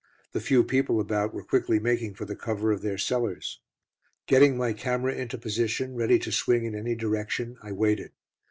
The few people about were quickly making for the cover of their cellars. Getting my camera into position, ready to swing in any direction, I waited.